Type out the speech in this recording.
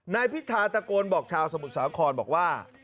นายพิธาตะโกนบอกชาวสมุทรสาครบอกว่า